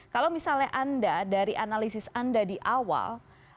kalau misalnya anda dari analisis anda di awal